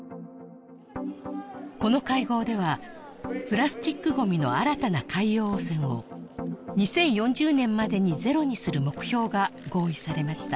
この会合ではプラスチックごみの新たな海洋汚染を２０４０年までにゼロにする目標が合意されました